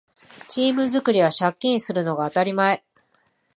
チーム作りは借金するのが当たり前